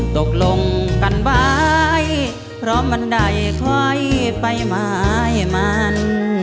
ลดลงกันบ้ายเพราะมันได้ถอยไปหมายมาน